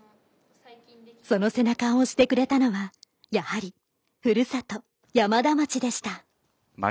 その背中を押してくれたのはやはり、ふるさと山田町でした。